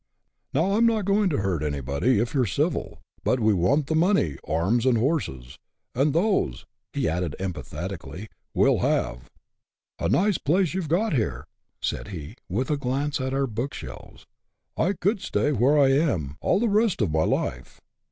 Now I 'm not going to hurt anybody, if you 're civil ; but we want the money, arms, and horses ; and those," he added emphatically, " we '11 have. A nice place you 've got of it here," said he, with a glance at our book shelves ; "JI could stay where I am all the rest of my life."